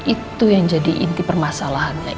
itu yang jadi inti permasalahannya